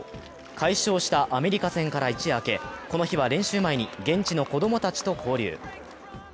快勝したアメリカ戦から一夜明け、この日は練習前に現地の子供たちと交流。